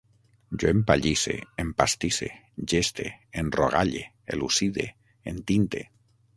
Jo empallisse, empastisse, geste, enrogalle, elucide, entinte